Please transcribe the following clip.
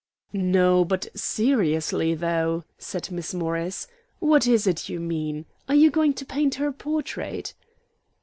"No; but seriously, though," said Miss Morris, "what is it you mean? Are you going to paint her portrait?"